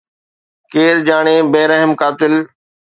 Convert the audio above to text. ڪير ڄاڻي، بي رحم قاتل